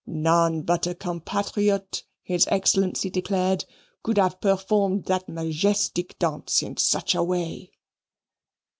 "None but a compatriot," his Excellency declared, "could have performed that majestic dance in such a way."